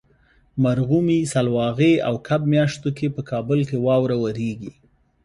مرغومي ، سلواغې او کب میاشتو کې په کابل کې واوره وریږي.